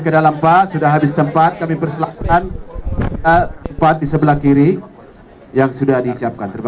ke dalam pak sudah habis tempat kami perselaksana at pat di sebelah kiri yang sudah disiapkan terima